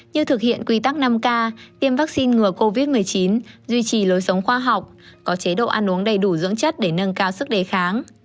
như thực hiện quy tắc năm k tiêm vaccine ngừa covid một mươi chín duy trì lối sống khoa học có chế độ ăn uống đầy đủ dưỡng chất để nâng cao sức đề kháng